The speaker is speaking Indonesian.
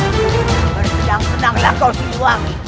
bersenang senanglah kau siluangin